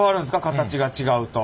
形が違うと。